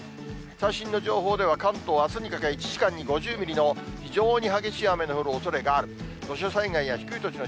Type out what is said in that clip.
最新の情報では、関東あすにかけて、１時間に５０ミリの非常に激しい雨の降るおそれがある。